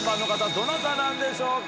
どなたなんでしょうか？